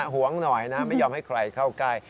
หวงหน่อยนะไม่ยอมให้ใครเข้าใกล้